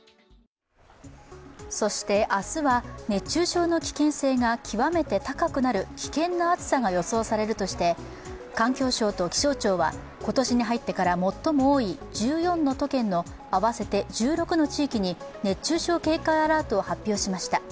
そして明日は熱中症の危険性が極めて高くなる危険な暑さが予想されるとして、環境省と気象庁は今年に入ってから最も多い１４の都県の合わせて１６の地域に熱中症警戒アラートを発表しました。